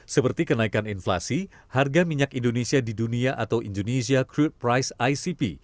seperti kenaikan inflasi harga minyak indonesia di dunia atau indonesia crude price icp